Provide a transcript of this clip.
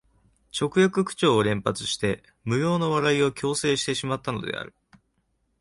直訳口調を連発して無用の笑いを強制してしまったのである